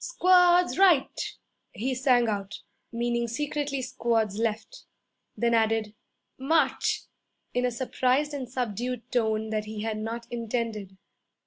'Squads right!' he sang out (meaning secretly squads left); then added, 'March!' in a surprised and subdued tone that he had not intended.